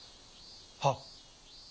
はっ。